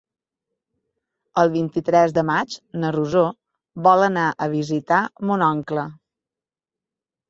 El vint-i-tres de maig na Rosó vol anar a visitar mon oncle.